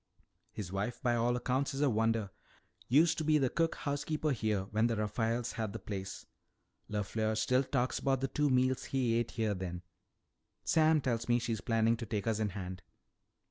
His wife, by all accounts, is a wonder. Used to be the cook housekeeper here when the Rafaels had the place. LeFleur still talks about the two meals he ate here then. Sam tells me that she is planning to take us in hand."